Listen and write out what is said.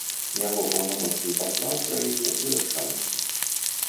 Яго паўнамоцтвы пасла ў краіне завяршаюцца.